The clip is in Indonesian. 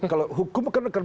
kalau hukum kan akan